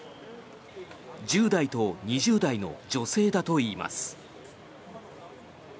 １０代と２０代の女性だといいます。